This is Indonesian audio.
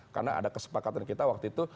karena ada kesepakatan kita waktu itu